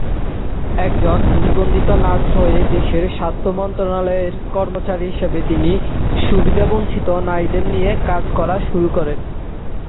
একজন নিবন্ধিত নার্স হয়ে দেশের স্বাস্থ্য মন্ত্রণালয়ের কর্মচারী হিসাবে তিনি সুবিধাবঞ্চিত নারীদের নিয়ে কাজ শুরু করেছিলেন।